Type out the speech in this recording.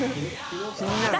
気になるね。